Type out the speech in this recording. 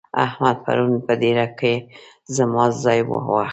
احمد پرون په ډبره کې زما ځای وواهه.